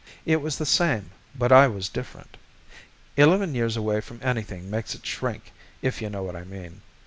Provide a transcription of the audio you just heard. It was the same, but I was different. Eleven years away from anything makes it shrink, if you know what I mean.